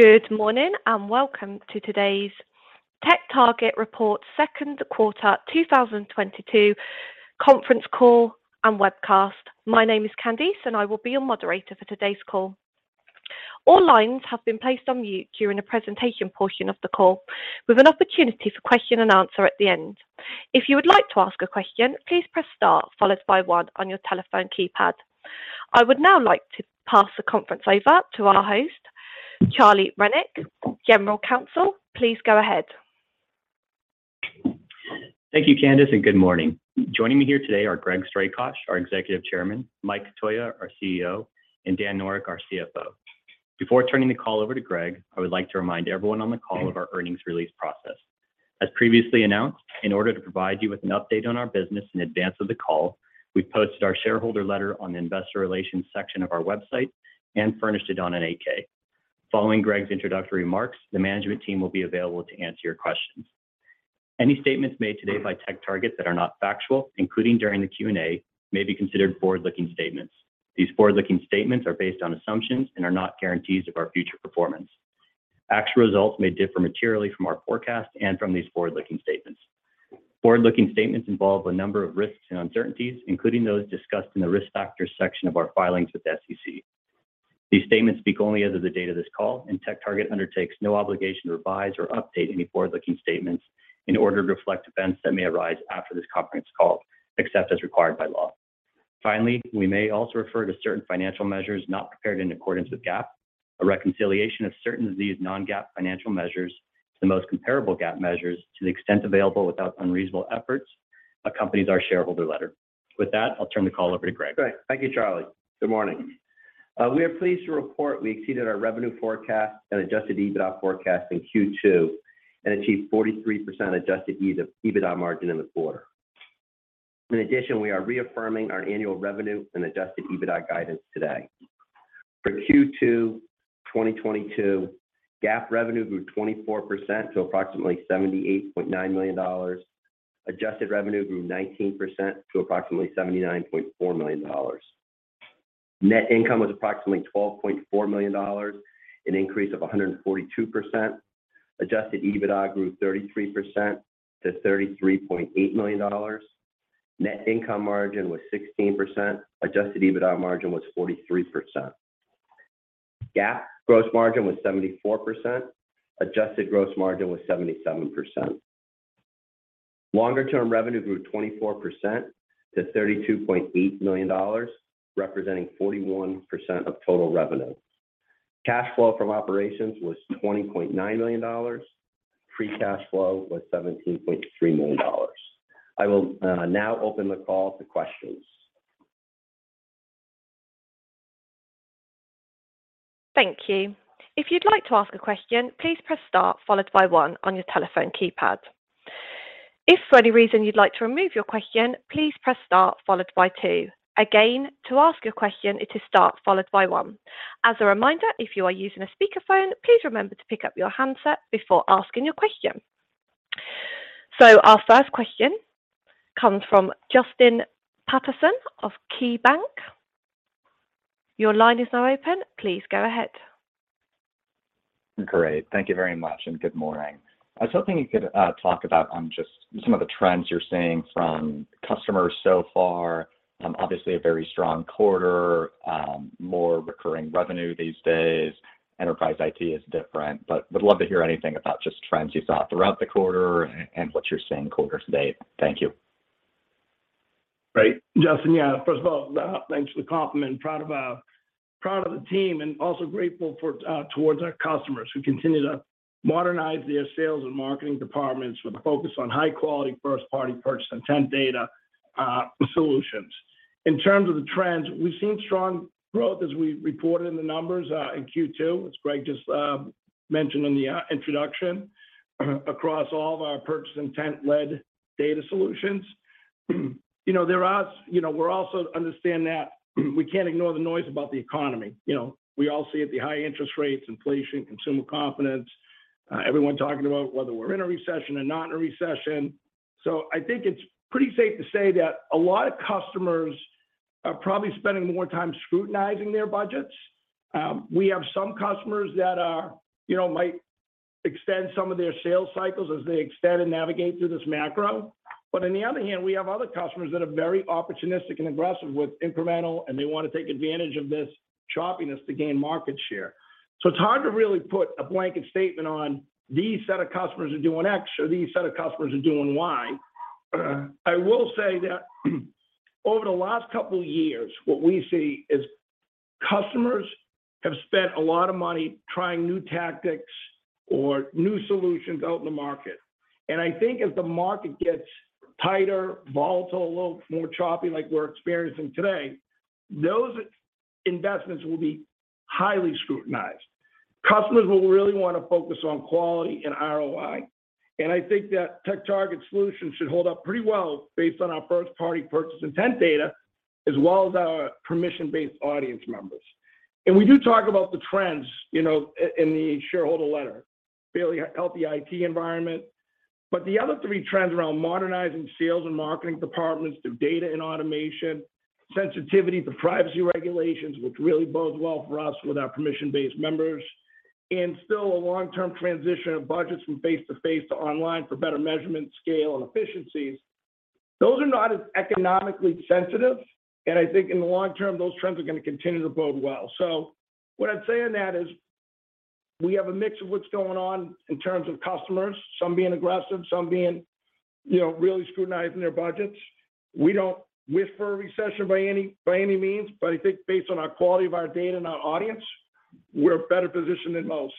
Good morning and welcome to today's TechTarget Report second quarter 2022 conference call and webcast. My name is Candice, and I will be your moderator for today's call. All lines have been placed on mute during the presentation portion of the call with an opportunity for question and answer at the end. If you would like to ask a question, please press star followed by one on your telephone keypad. I would now like to pass the conference over to our host, Charlie Rennick, General Counsel. Please go ahead. Thank you, Candice, and good morning. Joining me here today are Greg Strakosch, our Executive Chairman, Mike Cotoia, our CEO, and Daniel Noreck, our CFO. Before turning the call over to Greg, I would like to remind everyone on the call of our earnings release process. As previously announced, in order to provide you with an update on our business in advance of the call, we posted our shareholder letter on the investor relations section of our website and furnished it on an 8-K. Following Greg's introductory remarks, the management team will be available to answer your questions. Any statements made today by TechTarget that are not factual, including during the Q&A, may be considered forward-looking statements. These forward-looking statements are based on assumptions and are not guarantees of our future performance. Actual results may differ materially from our forecast and from these forward-looking statements. Forward-looking statements involve a number of risks and uncertainties, including those discussed in the Risk Factors section of our filings with the SEC. These statements speak only as of the date of this call, and TechTarget undertakes no obligation to revise or update any forward-looking statements in order to reflect events that may arise after this conference call, except as required by law. Finally, we may also refer to certain financial measures not prepared in accordance with GAAP. A reconciliation of certain of these non-GAAP financial measures to the most comparable GAAP measures to the extent available without unreasonable efforts accompanies our shareholder letter. With that, I'll turn the call over to Greg. Great. Thank you, Charlie. Good morning. We are pleased to report we exceeded our revenue forecast and Adjusted EBITDA forecast in Q2 and achieved 43% Adjusted EBITDA margin in the quarter. In addition, we are reaffirming our annual revenue and Adjusted EBITDA guidance today. For Q2, 2022, GAAP revenue grew 24% to approximately $78.9 million. Adjusted revenue grew 19% to approximately $79.4 million. Net income was approximately $12.4 million, an increase of 142%. Adjusted EBITDA grew 33% to $33.8 million. Net income margin was 16%. Adjusted EBITDA margin was 43%. GAAP gross margin was 74%. Adjusted gross margin was 77%. Long-term revenue grew 24% to $32.8 million, representing 41% of total revenue. Cash flow from operations was $20.9 million. Free cash flow was $17.3 million. I will, now open the call to questions. Thank you. If you'd like to ask a question, please press star followed by one on your telephone keypad. If for any reason you'd like to remove your question, please press star followed by two. Again, to ask a question, it is star followed by one. As a reminder, if you are using a speakerphone, please remember to pick up your handset before asking your question. Our first question comes from Justin Patterson of KeyBanc. Your line is now open. Please go ahead. Great. Thank you very much, and good morning. I was hoping you could talk about just some of the trends you're seeing from customers so far. Obviously a very strong quarter, more recurring revenue these days. Enterprise IT is different, but would love to hear anything about just trends you saw throughout the quarter and what you're seeing quarter-to-date? Thank you. Great, Justin. First of all, thanks for the compliment. Proud of the team and also grateful towards our customers who continue to modernize their sales and marketing departments with a focus on high-quality first-party purchase intent data solutions. In terms of the trends, we've seen strong growth as we reported in the numbers in Q2, as Greg just mentioned in the introduction, across all of our purchase intent-led data solutions. You know, we also understand that we can't ignore the noise about the economy. You know, we all see it, the high interest rates, inflation, consumer confidence, everyone talking about whether we're in a recession or not in a recession. So I think it's pretty safe to say that a lot of customers are probably spending more time scrutinizing their budgets. We have some customers that are, you know, might extend some of their sales cycles as they extend and navigate through this macro. On the other hand, we have other customers that are very opportunistic and aggressive with incremental, and they want to take advantage of this choppiness to gain market share. It's hard to really put a blanket statement on these set of customers are doing X or these set of customers are doing Y. I will say that over the last couple years, what we see is customers have spent a lot of money trying new tactics or new solutions out in the market. I think as the market gets tighter, volatile, a little more choppy like we're experiencing today, those investments will be highly scrutinized. Customers will really wanna focus on quality and ROI. I think that TechTarget solutions should hold up pretty well based on our first-party purchase intent data, as well as our permission-based audience members. We do talk about the trends, you know, in the shareholder letter, fairly healthy IT environment. The other three trends around modernizing sales and marketing departments through data and automation, sensitivity to privacy regulations, which really bodes well for us with our permission-based members, and still a long-term transition of budgets from face-to-face to online for better measurement, scale, and efficiencies. Those are not as economically sensitive, and I think in the long term, those trends are gonna continue to bode well. What I'd say on that is we have a mix of what's going on in terms of customers, some being aggressive, some being, you know, really scrutinizing their budgets. We don't wish for a recession by any means, but I think based on our quality of our data and our audience, we're better positioned than most.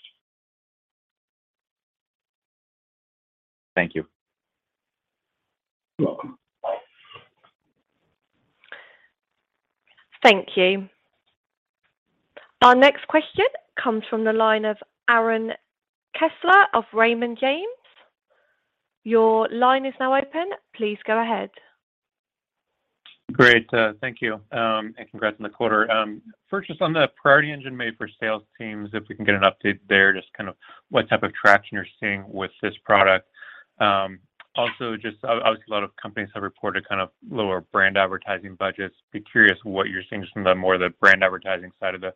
Thank you. You're welcome. Thank you. Our next question comes from the line of Aaron Kessler of Raymond James. Your line is now open. Please go ahead. Great. Thank you, and congrats on the quarter. First, just on the Priority Engine made for sales teams, if we can get an update there, just kind of what type of traction you're seeing with this product. Also just obviously a lot of companies have reported kind of lower brand advertising budgets. I'd be curious what you're seeing just on the more of the brand advertising side of the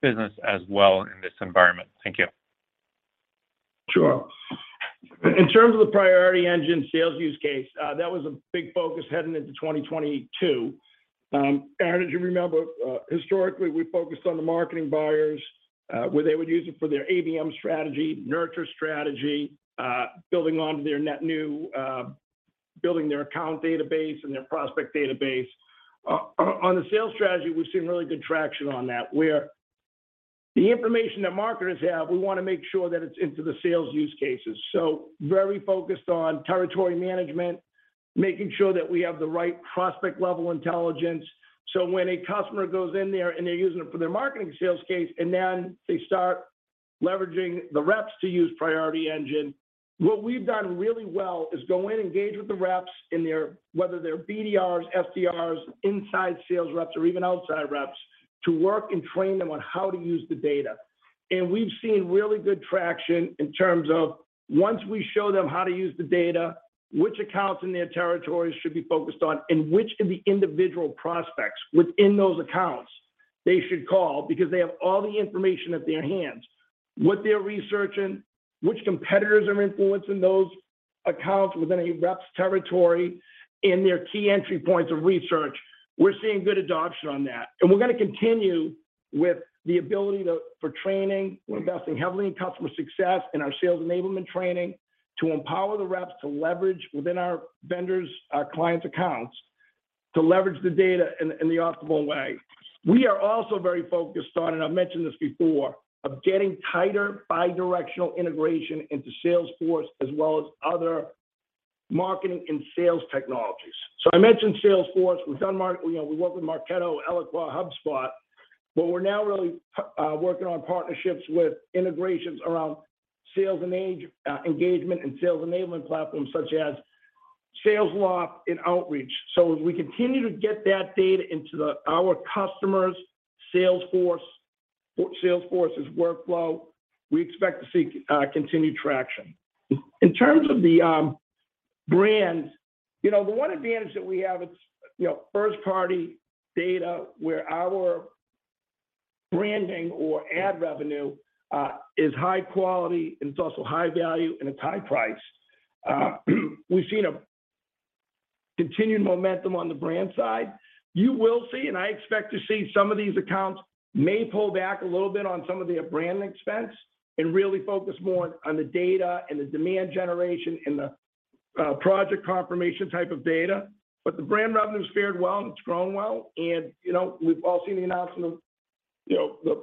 business as well in this environment? Thank you. Sure. In terms of the Priority Engine sales use case, that was a big focus heading into 2022. Aaron, as you remember, historically, we focused on the marketing buyers, where they would use it for their ABM strategy, nurture strategy, building their account database and their prospect database. On the sales strategy, we've seen really good traction on that, where the information that marketers have, we wanna make sure that it's into the sales use cases. Very focused on territory management, making sure that we have the right prospect-level intelligence, so when a customer goes in there, and they're using it for their marketing sales case, and then they start leveraging the reps to use Priority Engine. What we've done really well is go in, engage with the reps in their whether they're BDRs, SDRs, inside sales reps, or even outside reps, to work and train them on how to use the data. We've seen really good traction in terms of once we show them how to use the data, which accounts in their territories should be focused on, and which of the individual prospects within those accounts they should call because they have all the information at their hands, what they're researching, which competitors are influencing those accounts within a rep's territory, and their key entry points of research. We're seeing good adoption on that. We're gonna continue for training. We're investing heavily in customer success and our sales enablement training to empower the reps to leverage within our vendors, our clients' accounts, to leverage the data in the optimal way. We are also very focused on, and I've mentioned this before, of getting tighter bi-directional integration into Salesforce as well as other marketing and sales technologies. I mentioned Salesforce. We've done Marketo. You know, we work with Marketo, Eloqua, HubSpot, but we're now really working on partnerships with integrations around sales engagement and sales enablement platforms such as Salesloft and Outreach. As we continue to get that data into our customers' Salesforce's workflow, we expect to see continued traction. In terms of the brand, you know, the one advantage that we have, it's you know, first-party data where our branding or ad revenue is high quality, and it's also high value, and it's high price. We've seen a continued momentum on the brand side. You will see, and I expect to see some of these accounts may pull back a little bit on some of their branding expense and really focus more on the data and the demand generation and the project confirmation type of data. The brand revenue's fared well, and it's grown well, and, you know, we've all seen the announcement of, you know,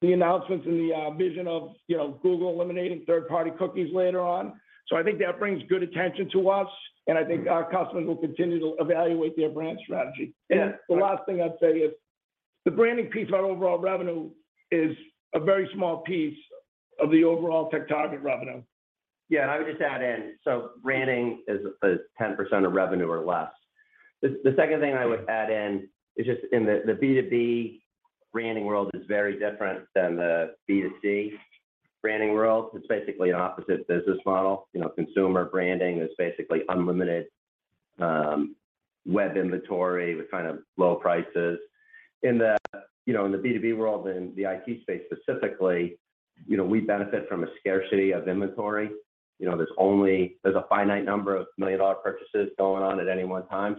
the announcements and the vision of, you know, Google eliminating third-party cookies later on. I think that brings good attention to us, and I think our customers will continue to evaluate their brand strategy. The last thing I'd say is the branding piece of our overall revenue is a very small piece of the overall TechTarget revenue. Yeah. I would just add in, so branding is 10% of revenue or less. The second thing I would add in is just in the B2B branding world is very different than the B2C branding world. It's basically an opposite business model. You know, Consumer Branding is basically unlimited web inventory with kind of low prices. In the B2B world, in the IT space specifically, you know, we benefit from a scarcity of inventory. You know, there's a finite number of million-dollar purchases going on at any one time.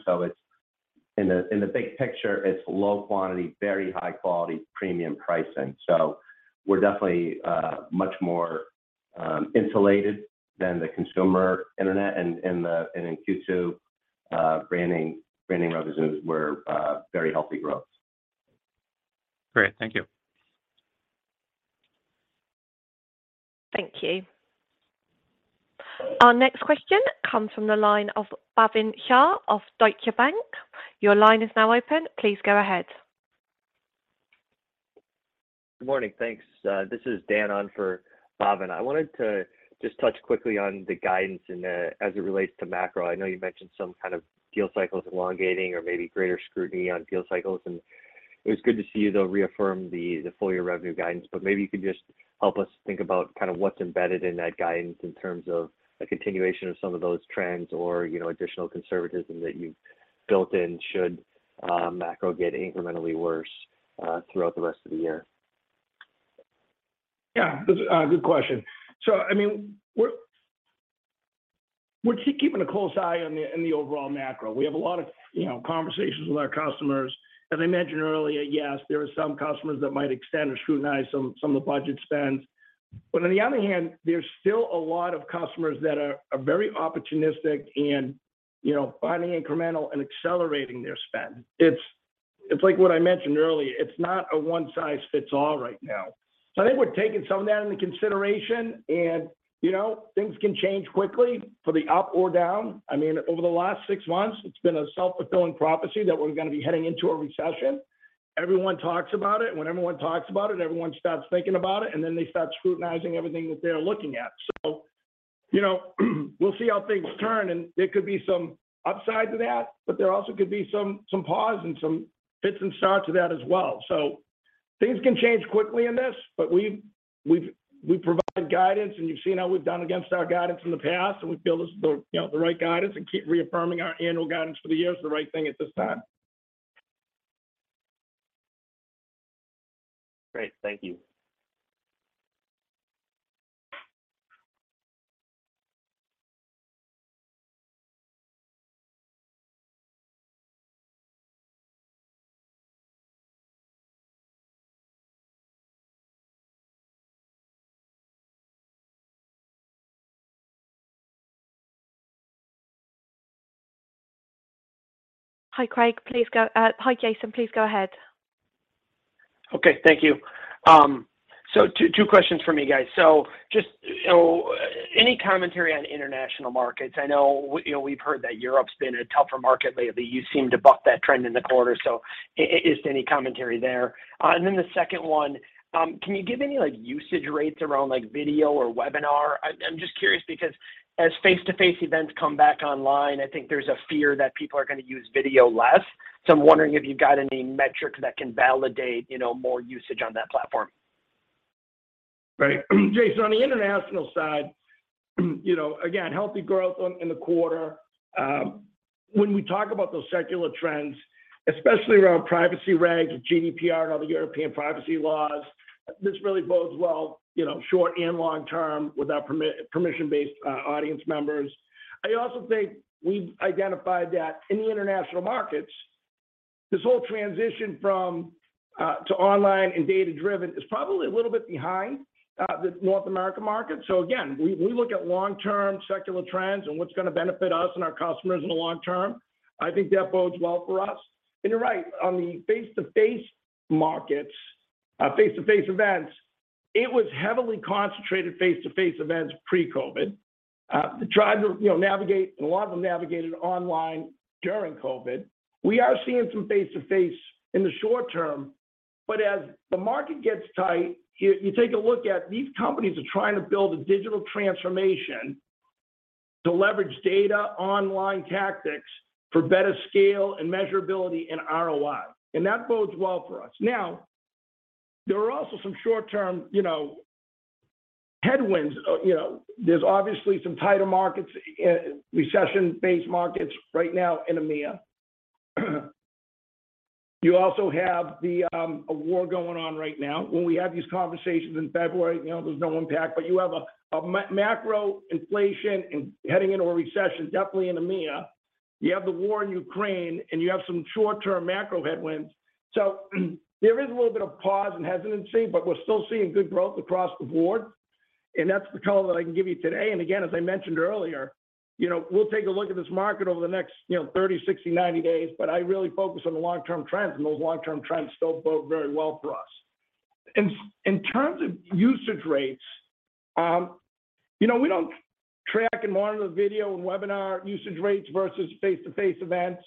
It's low quantity, very high quality, premium pricing. We're definitely much more insulated than the consumer internet. In Q2, branding revenues were very healthy growth. Great. Thank you. Thank you. Our next question comes from the line of Bhavin Shah of Deutsche Bank. Your line is now open. Please go ahead. Good morning. Thanks. This is Dan on for Bhavin. I wanted to just touch quickly on the guidance and, as it relates to macro. I know you mentioned some kind of deal cycles elongating or maybe greater scrutiny on deal cycles. It was good to see you though reaffirm the full year revenue guidance, but maybe you could just help us think about kind of what's embedded in that guidance in terms of a continuation of some of those trends or, you know, additional conservatism that you've built in should macro get incrementally worse throughout the rest of the year? Yeah, that's a good question. I mean, we're keeping a close eye on the overall macro. We have a lot of, you know, conversations with our customers. As I mentioned earlier, yes, there are some customers that might extend or scrutinize some of the budget spends, but on the other hand, there's still a lot of customers that are very opportunistic and, you know, finding incremental and accelerating their spend. It's like what I mentioned earlier, it's not a one size fits all right now. I think we're taking some of that into consideration and, you know, things can change quickly for the up or down. I mean, over the last six months it's been a self-fulfilling prophecy that we're gonna be heading into a recession. Everyone talks about it. When everyone talks about it, everyone starts thinking about it, and then they start scrutinizing everything that they're looking at. You know, we'll see how things turn, and there could be some upside to that, but there also could be some pause and some fits and starts to that as well. Things can change quickly in this, but we've provided guidance and you've seen how we've done against our guidance in the past, and we feel this the, you know, the right guidance and keep reaffirming our annual guidance for the year is the right thing at this time. Great. Thank you. Hi, Jason. Please go ahead. Okay, thank you. Two questions for me, guys. Any commentary on international markets? I know we, you know, we've heard that Europe's been a tougher market lately. You seem to buck that trend in the quarter. Is there any commentary there? Then the second one, can you give any like usage rates around like video or webinar? I'm just curious because as face-to-face events come back online, I think there's a fear that people are gonna use video less. I'm wondering if you've got any metrics that can validate, you know, more usage on that platform. Right. Jason, on the international side, you know, again, healthy growth in the quarter. When we talk about those secular trends, especially around privacy regs with GDPR and all the European privacy laws, this really bodes well, you know, short and long term with our permission-based audience members. I also think we've identified that in the international markets, this whole transition to online and data-driven is probably a little bit behind the North America market. So again, we look at long-term secular trends and what's gonna benefit us and our customers in the long term. I think that bodes well for us. You're right, on the face-to-face markets, face-to-face events, it was heavily concentrated face-to-face events pre-COVID, tried to navigate and a lot of them navigated online during COVID. We are seeing some face-to-face in the short term, but as the market gets tight here, you take a look at these companies are trying to build a digital transformation to leverage data online tactics for better scale and measurability and ROI, and that bodes well for us. Now, there are also some short-term headwinds. There's obviously some tighter markets, recession-based markets right now in EMEA. You also have a war going on right now. When we had these conversations in February, there was no impact, but you have macro inflation and heading into a recession, definitely in EMEA, you have the war in Ukraine, and you have some short-term macro headwinds. There is a little bit of pause and hesitancy, but we're still seeing good growth across the board, and that's the call that I can give you today. Again, as I mentioned earlier, you know, we'll take a look at this market over the next, you know, 30, 60, 90 days. I really focus on the long-term trends and those long-term trends still bode very well for us. In terms of usage rates, you know, we don't track and monitor the video and webinar usage rates versus face-to-face events.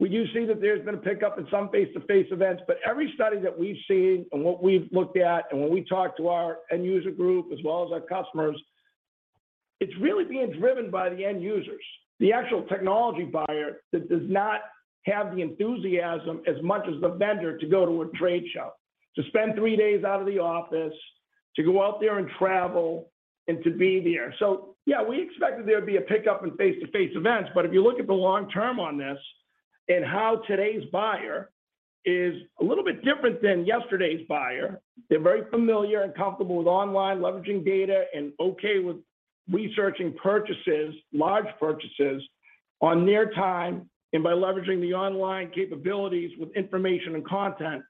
We do see that there's been a pickup in some face-to-face events, but every study that we've seen and what we've looked at, and when we talk to our end user group as well as our customers, it's really being driven by the end users. The actual technology buyer that does not have the enthusiasm as much as the vendor to go to a trade show, to spend three days out of the office, to go out there and travel, and to be there. Yeah, we expect that there'd be a pickup in face-to-face events, but if you look at the long term on this and how today's buyer is a little bit different than yesterday's buyer, they're very familiar and comfortable with online leveraging data and okay with researching purchases, large purchases on their time, and by leveraging the online capabilities with information and content,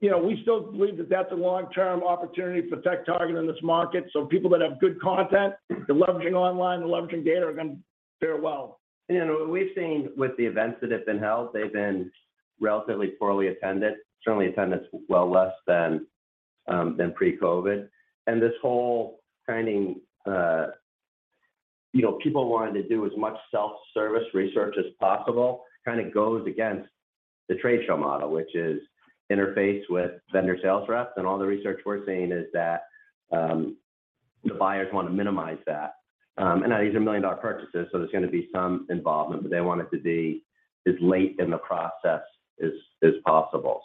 you know, we still believe that that's a long-term opportunity for TechTarget in this market. People that have good content and leveraging online and leveraging data are gonna fare well. You know, what we've seen with the events that have been held, they've been relatively poorly attended, certainly attendance well less than pre-COVID. This whole trend in, you know, people wanting to do as much self-service research as possible kind of goes against the trade show model, which is to interface with vendor sales reps. All the research we're seeing is that the buyers wanna minimize that. Now these are million-dollar purchases, so there's gonna be some involvement, but they want it to be as late in the process as possible.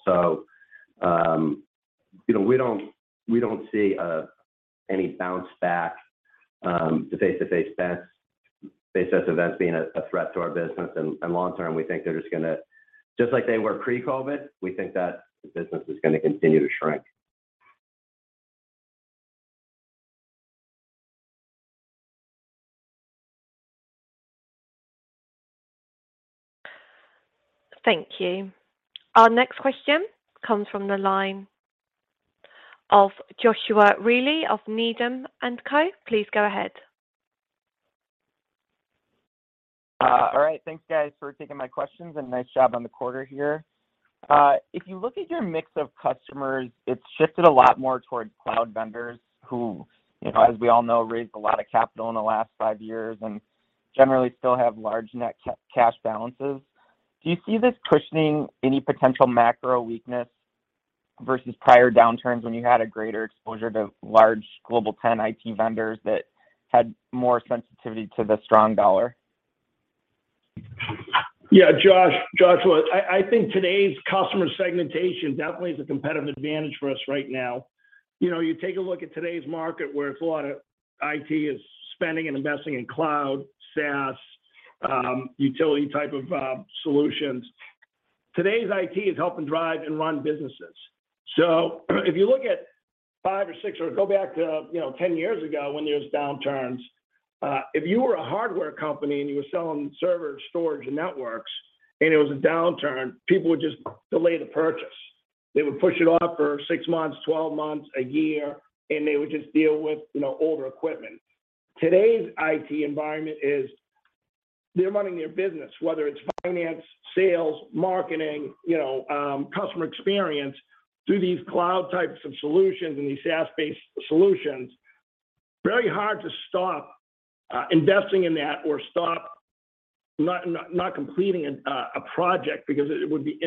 You know, we don't see any bounce back to face-to-face events, face-to-face events being a threat to our business. Long term, we think they're just gonna just like they were pre-COVID, we think that the business is gonna continue to shrink. Thank you. Our next question comes from the line of Joshua Reilly of Needham & Company. Please go ahead. All right. Thanks, guys, for taking my questions, and nice job on the quarter here. If you look at your mix of customers, it's shifted a lot more towards cloud vendors who, you know, as we all know, raised a lot of capital in the last five years and generally still have large net cash balances. Do you see this cushioning any potential macro weakness versus prior downturns when you had a greater exposure to large global top 10 IT vendors that had more sensitivity to the strong dollar? Yeah. Joshua, I think today's customer segmentation definitely is a competitive advantage for us right now. You know, you take a look at today's market where it's a lot of IT is spending and investing in cloud, SaaS, utility type of solutions. Today's IT is helping drive and run businesses. If you look at five or six or go back to, you know, 10 years ago when there was downturns, if you were a hardware company and you were selling server storage and networks, and it was a downturn, people would just delay the purchase. They would push it off for six months, 12 months, a year, and they would just deal with, you know, older equipment. Today's IT environment is they're running their business, whether it's finance, sales, marketing, you know, customer experience through these cloud types of solutions and these SaaS-based solutions. Very hard to stop investing in that or stop not completing a project because it'll be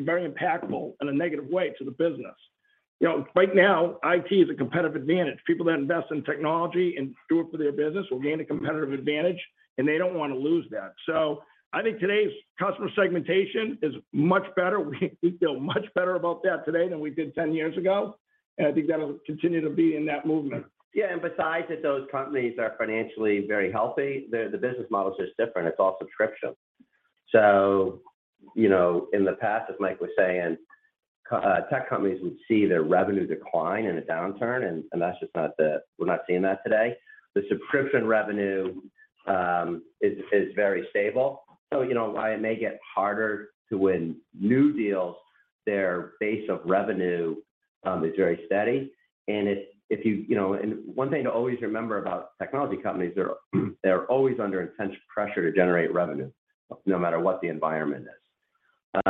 very impactful in a negative way to the business. You know, right now, IT is a competitive advantage. People that invest in technology and do it for their business will gain a competitive advantage, and they don't wanna lose that. I think today's customer segmentation is much better. We feel much better about that today than we did 10 years ago, and I think that'll continue to be in that movement. Yeah. Besides that, those companies are financially very healthy. The business models are just different. It's all subscription. You know, in the past, as Mike was saying, tech companies would see their revenue decline in a downturn. That's just not. We're not seeing that today. The subscription revenue is very stable. You know, while it may get harder to win new deals, their base of revenue is very steady. If you you know, one thing to always remember about technology companies, they're always under intense pressure to generate revenue, no matter what the environment is.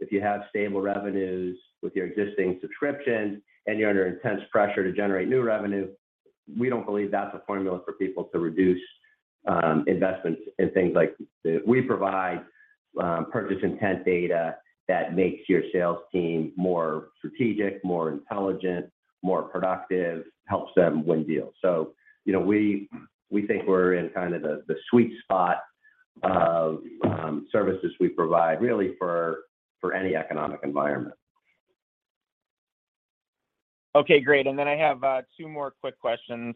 If you have stable revenues with your existing subscription and you're under intense pressure to generate new revenue, we don't believe that's a formula for people to reduce investments in things like the. We provide purchase intent data that makes your sales team more strategic, more intelligent, more productive, helps them win deals. You know, we think we're in kind of the sweet spot of services we provide really for any economic environment. Okay. Great. I have two more quick questions.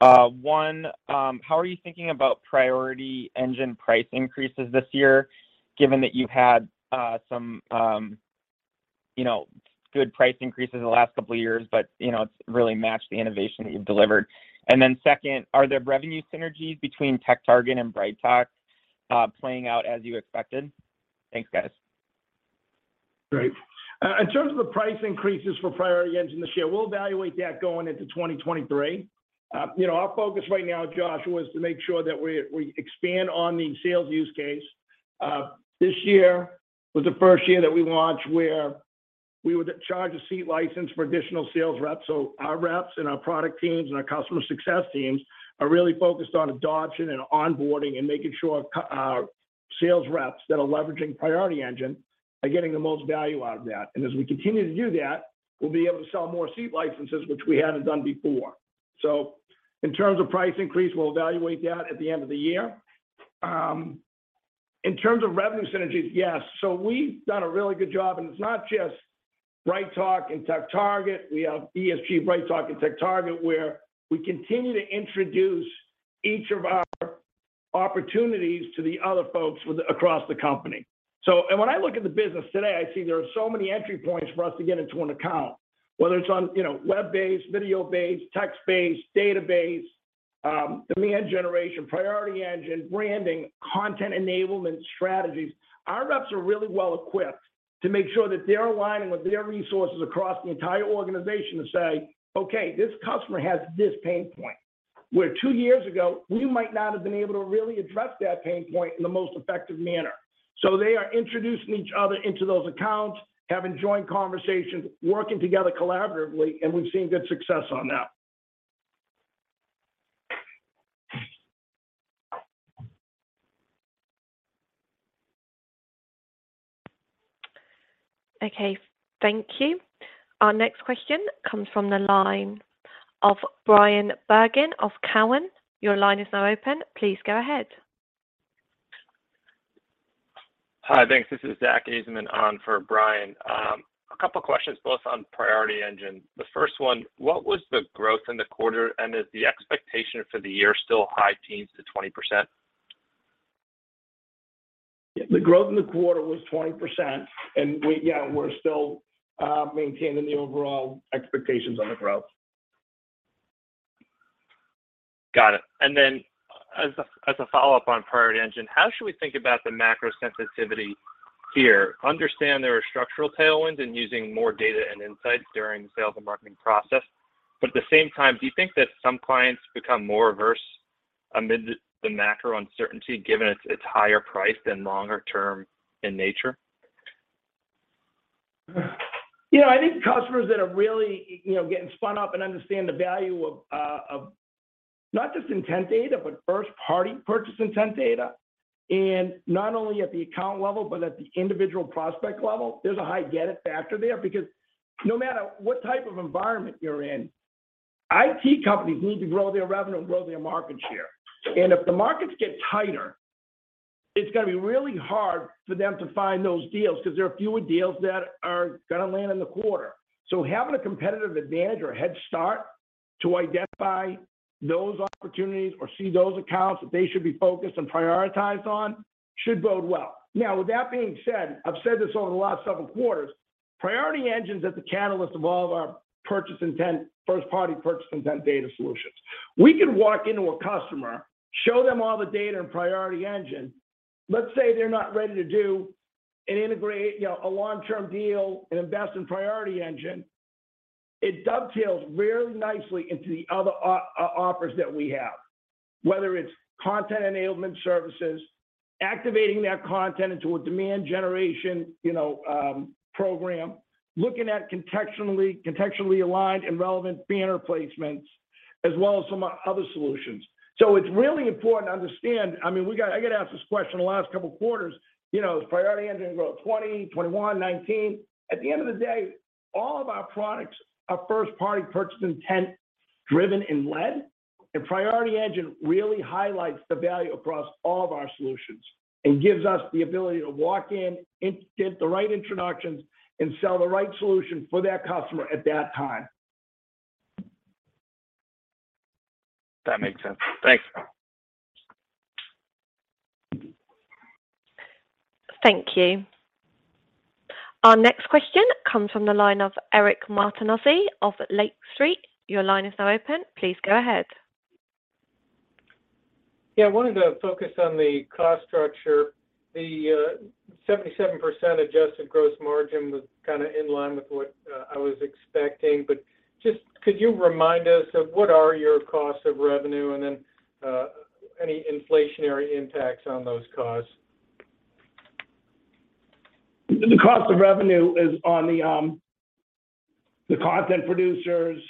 One, how are you thinking about Priority Engine price increases this year given that you've had some you know good price increases in the last couple of years, but you know it's really matched the innovation that you've delivered? Second, are there revenue synergies between TechTarget and BrightTALK playing out as you expected? Thanks, guys. Great. In terms of the price increases for Priority Engine this year, we'll evaluate that going into 2023. You know, our focus right now, Joshua, is to make sure that we expand on the sales use case. This year was the first year that we launched where we would charge a seat license for additional sales reps. Our reps and our product teams and our customer success teams are really focused on adoption and onboarding and making sure sales reps that are leveraging Priority Engine are getting the most value out of that. As we continue to do that, we'll be able to sell more seat licenses, which we haven't done before. In terms of price increase, we'll evaluate that at the end of the year. In terms of revenue synergies, yes. We've done a really good job, and it's not just BrightTALK and TechTarget. We have ESG, BrightTALK, and TechTarget, where we continue to introduce each of our opportunities to the other folks across the company. When I look at the business today, I see there are so many entry points for us to get into an account, whether it's on, you know, web-based, video-based, text-based, database, demand generation, Priority Engine, branding, content enablement strategies. Our reps are really well-equipped to make sure that they're aligning with their resources across the entire organization to say, "Okay, this customer has this pain point," where two years ago we might not have been able to really address that pain point in the most effective manner. They are introducing each other into those accounts, having joint conversations, working together collaboratively, and we've seen good success on that. Okay, thank you. Our next question comes from the line of Brian Bergen of Cowen. Your line is now open. Please go ahead. Hi, thanks. This is Zach Aisman on for Brian. A couple questions, both on Priority Engine. The first one, what was the growth in the quarter, and is the expectation for the year still high teens to 20%? The growth in the quarter was 20%, and we're still maintaining the overall expectations on the growth. Got it. As a follow-up on Priority Engine, how should we think about the macro sensitivity here? Understand there are structural tailwinds and using more data and insights during the sales and marketing process. At the same time, do you think that some clients become more averse amid the macro uncertainty given its higher price point and longer-term in nature? You know, I think customers that are really, you know, getting spun up and understand the value of not just intent data, but first-party purchase intent data, and not only at the account level, but at the individual prospect level, there's a high get it factor there. Because no matter what type of environment you're in, IT companies need to grow their revenue and grow their market share. If the markets get tighter, it's gonna be really hard for them to find those deals because there are fewer deals that are gonna land in the quarter. Having a competitive advantage or a head start to identify those opportunities or see those accounts that they should be focused and prioritized on should bode well. Now, with that being said, I've said this over the last several quarters. Priority Engine is at the catalyst of all of our purchase intent, first-party purchase intent data solutions. We could walk into a customer, show them all the data in Priority Engine. Let's say they're not ready to do and integrate, you know, a long-term deal and invest in Priority Engine. It dovetails really nicely into the other offers that we have. Whether it's content enablement services, activating that content into a demand generation, you know, program, looking at contextually aligned and relevant banner placements, as well as some other solutions. It's really important to understand. I mean, I got asked this question the last couple of quarters, you know, is Priority Engine grow 20%, 21%, 19%? At the end of the day, all of our products are first-party purchase intent driven and led. Priority Engine really highlights the value across all of our solutions and gives us the ability to walk in and get the right introductions, and sell the right solution for that customer at that time. That makes sense. Thanks. Thank you. Our next question comes from the line of Eric Martinuzzi of Lake Street Capital Markets. Your line is now open. Please go ahead. Yeah. I wanted to focus on the cost structure. The 77% adjusted gross margin was kind of in line with what I was expecting. Just could you remind us of what are your costs of revenue and then any inflationary impacts on those costs? The cost of revenue is on the content producers.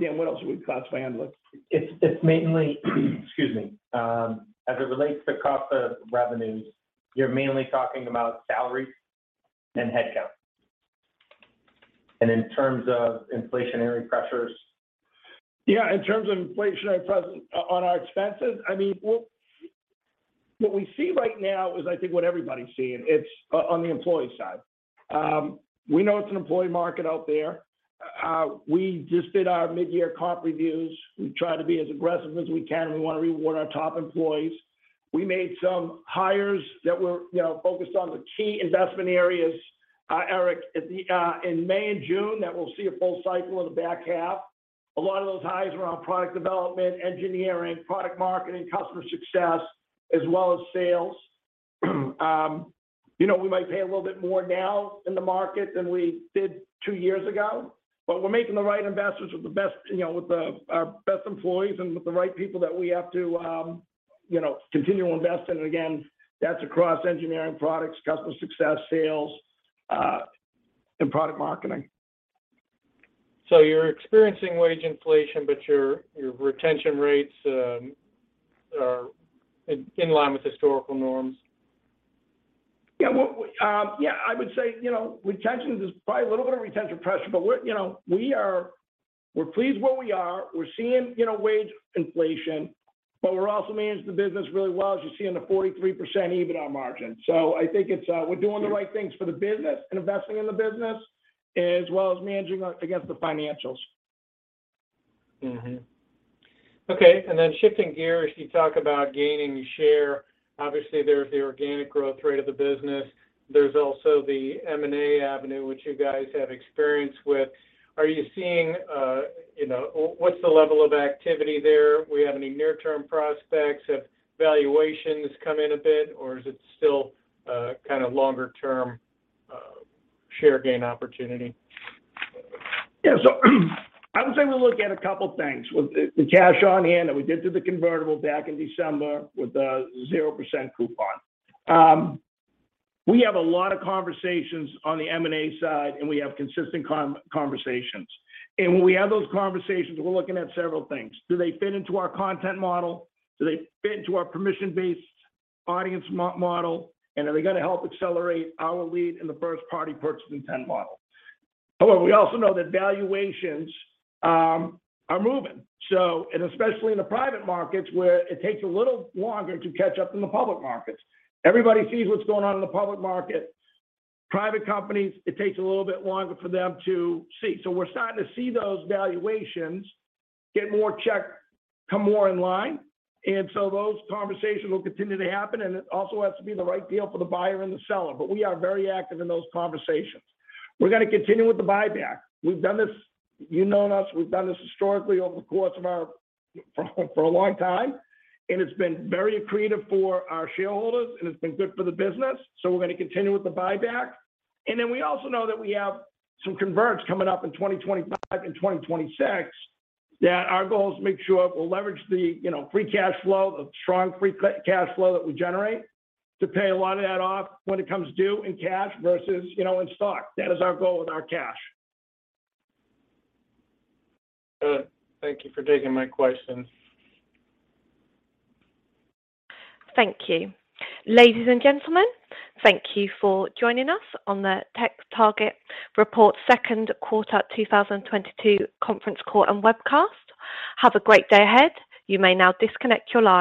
Dan, what else are we costing by handling? It's mainly, excuse me. As it relates to cost of revenues, you're mainly talking about salaries and headcount. In terms of inflationary pressures. Yeah. In terms of inflationary pressure on our expenses, I mean, well, what we see right now is I think what everybody's seeing. It's on the employee side. We know it's an employee market out there. We just did our mid-year comp reviews. We try to be as aggressive as we can. We wanna reward our top employees. We made some hires that were, you know, focused on the key investment areas, Eric, in May and June, that we'll see a full cycle in the back half. A lot of those hires were on product development, engineering, product marketing, customer success, as well as sales. You know, we might pay a little bit more now in the market than we did two years ago, but we're making the right investments with the best, you know, our best employees and with the right people that we have to, you know, continue to invest. Again, that's across engineering, products, customer success, sales, and product marketing. You're experiencing wage inflation, but your retention rates are in line with historical norms? Yeah. I would say, you know, retention is probably a little bit of retention pressure, but we're, you know, we're pleased where we are. We're seeing, you know, wage inflation, but we're also managing the business really well as you see in the 43% EBITDA margin. I think it's, we're doing the right things for the business and investing in the business as well as managing against the financials. Mm-hmm. Okay. Then shifting gears, you talk about gaining share. Obviously, there's the organic growth rate of the business. There's also the M&A avenue, which you guys have experience with. Are you seeing, you know, what's the level of activity there? We have any near-term prospects? Have valuations come in a bit, or is it still, kind of longer-term, share gain opportunity? Yeah. I would say we'll look at a couple things. With the cash on hand that we did through the convertible back in December with the 0% coupon. We have a lot of conversations on the M&A side, and we have consistent conversations. When we have those conversations, we're looking at several things. Do they fit into our content model? Do they fit into our permission-based audience model? And are they gonna help accelerate our lead in the first-party purchase intent model? However, we also know that valuations are moving. Especially in the private markets where it takes a little longer to catch up in the public markets. Everybody sees what's going on in the public market. Private companies, it takes a little bit longer for them to see. We're starting to see those valuations get more in check, come more in line. Those conversations will continue to happen, and it also has to be the right deal for the buyer and the seller. We are very active in those conversations. We're gonna continue with the buyback. We've done this. You've known us, we've done this historically over the course of our for a long time, and it's been very accretive for our shareholders, and it's been good for the business, so we're gonna continue with the buyback. We also know that we have some converts coming up in 2025 and 2026 that our goal is to make sure we'll leverage the, you know, free cash flow, the strong free cash flow that we generate to pay a lot of that off when it comes due in cash versus, you know, in stock. That is our goal with our cash. Good. Thank you for taking my question. Thank you. Ladies and gentlemen, thank you for joining us on the TechTarget Report second quarter 2022 conference call and webcast. Have a great day ahead. You may now disconnect your line.